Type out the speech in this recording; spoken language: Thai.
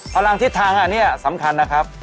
พลังทิศทางอันนี้สำคัญนะครับ